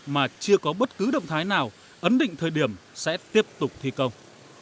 mà chưa có bất cứ động thái nào ấn định thời điểm sẽ tiếp tục thi công